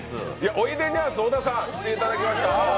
おいでにゃーす小田さんに来ていただきました。